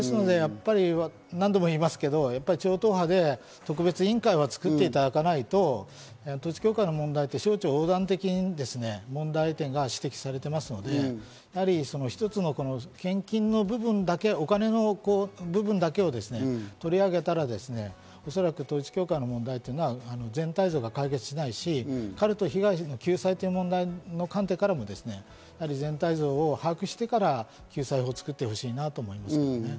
何度も言いますけど超党派で特別委員会を作っていただかないと、統一教会問題って省庁、横断的に問題点が指摘されてますので、一つの献金の部分だけ、お金の部分だけを取り上げたら、おそらく統一教会の問題っていうのは全体像が解決しないし、カルト被害救済の観点からも全体像を把握してから救済法を作ってほしいなと思います。